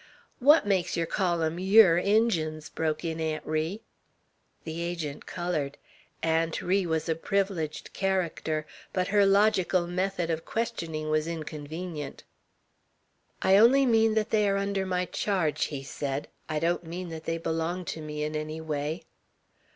"What makes yer call 'em yeour Injuns?" broke in Aunt Ri. The Agent colored. Aunt Ri was a privileged character, but her logical method of questioning was inconvenient. "I only mean that they are under my charge," he said. "I don't mean that they belong to me in any way."